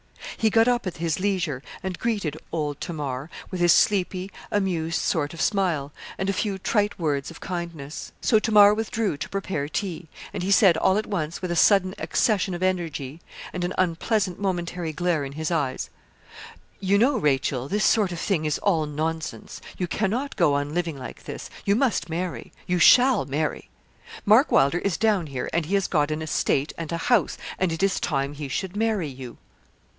He got up at his leisure and greeted 'old Tamar,' with his sleepy, amused sort of smile, and a few trite words of kindness. So Tamar withdrew to prepare tea; and he said, all at once, with a sudden accession of energy, and an unpleasant momentary glare in his eyes 'You know, Rachel, this sort of thing is all nonsense. You cannot go on living like this; you must marry you shall marry. Mark Wylder is down here, and he has got an estate and a house, and it is time he should marry you.'